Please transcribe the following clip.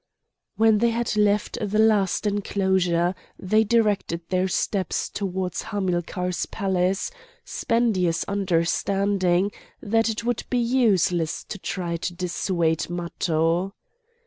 When they had left the last enclosure they directed their steps towards Hamilcar's palace, Spendius understanding that it would be useless to try to dissuade Matho.